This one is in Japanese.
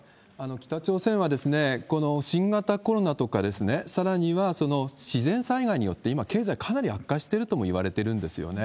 北朝鮮は、この新型コロナとか、さらには自然災害によって、今、経済かなり悪化してるともいわれてるんですよね。